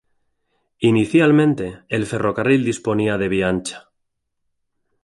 Inicialmente, el ferrocarril disponía de vía ancha.